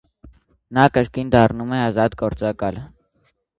Նա կրկին դառնում է ազատ գործակալ։